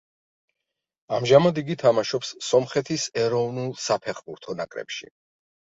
ამჟამად იგი თამაშობს სომხეთის ეროვნულ საფეხბურთო ნაკრებში.